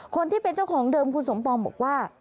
คนที่เป็นเจ้าของเดิมคุณสมปองบอกว่า